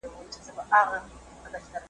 په مفهوم یې هم ځکه نه پوهیږم `